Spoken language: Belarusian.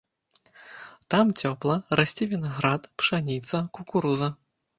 Там цёпла, расце вінаград, пшаніца, кукуруза.